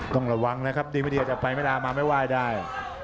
ต้องระวังนะครับดีไม่ดีอาจจะไปไม่ได้มาไม่ไหว้ได้